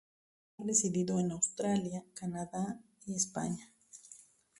Ha residido en Australia, Canadá y España.